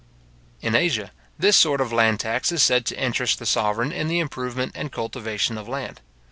In Asia, this sort of land tax is said to interest the sovereign in the improvement and cultivation of land.